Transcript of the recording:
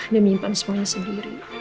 dia menyimpan semuanya sendiri